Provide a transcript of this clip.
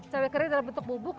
cabai kering dalam bentuk bubuk